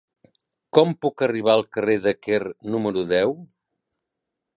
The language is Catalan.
Com puc arribar al carrer de Quer número deu?